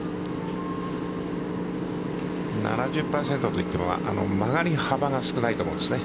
７０％といっても曲がり幅が少ないと思うんですね